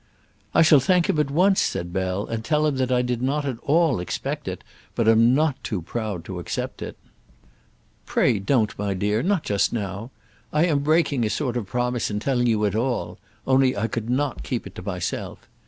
"I shall thank him at once," said Bell; "and tell him that I did not at all expect it, but am not too proud to accept it." "Pray don't, my dear; not just now. I am breaking a sort of promise in telling you at all, only I could not keep it to myself.